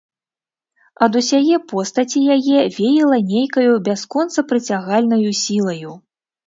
Ад усяе постаці яе веяла нейкаю бясконца прыцягальнаю сілаю.